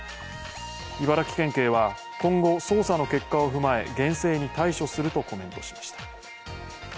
茨城県警は、今後、捜査の結果を踏まえ厳正に対処するとコメントしています。